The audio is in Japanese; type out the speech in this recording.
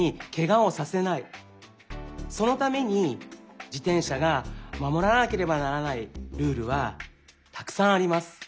そのために自転車がまもらなければならないルールはたくさんあります。